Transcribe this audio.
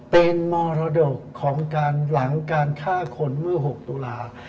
เป็นมรดกของการหลังการฆ่าคนเมื่อ๖ตุลา